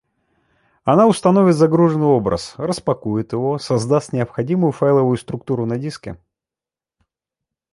Она установит загруженный образ: распакует его, создаст необходимую файловую структуру на диске